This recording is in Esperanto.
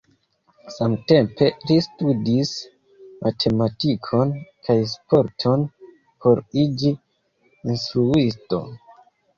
Samtempe li studis matematikon kaj sporton por iĝi instruisto.